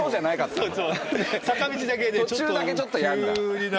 途中だけちょっとやるんだ。